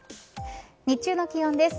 日中の気温です。